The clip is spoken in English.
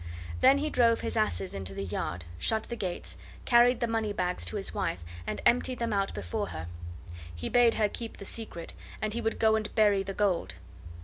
Then he drove his asses into the yard, shut the gates, carried the money bags to his wife, and emptied them out before her. He bade her keep the secret, and he would go and bury the gold.